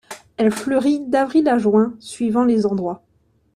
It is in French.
Elle fleurit d'avril à juin suivant les endroits.